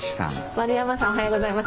マルヤマさんおはようございます。